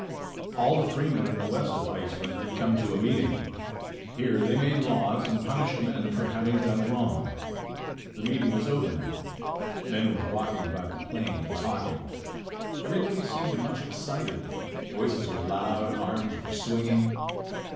All the freemen in the west of Iceland had come to a meeting. Here they made laws and punished men for having done wrong. The meeting was over now. Men were walking about the plain and talking. Everybody seemed much excited. Voices were loud, arms were swinging.